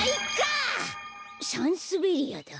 サンスベリアだ。